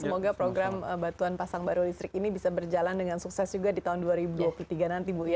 semoga program batuan pasang baru listrik ini bisa berjalan dengan sukses juga di tahun dua ribu dua puluh tiga nanti bu ya